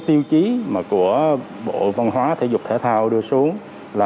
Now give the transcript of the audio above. theo chủ ký ktv